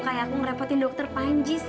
kayak aku ngerepotin dokter panji san